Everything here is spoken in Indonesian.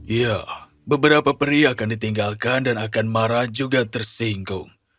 ya beberapa peri akan ditinggalkan dan akan marah juga tersinggung